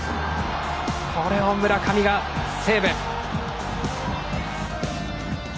これを村上がセーブ。